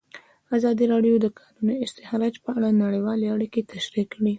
ازادي راډیو د د کانونو استخراج په اړه نړیوالې اړیکې تشریح کړي.